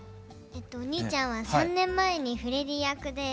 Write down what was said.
お兄ちゃんは３年前にフレディ役で。